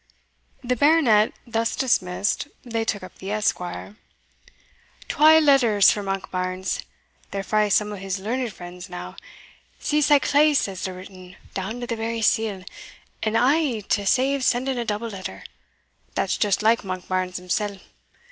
The baronet thus dismissed, they took up the esquire "Twa letters for Monkbarns they're frae some o' his learned friends now; see sae close as they're written, down to the very seal and a' to save sending a double letter that's just like Monkbarns himsell.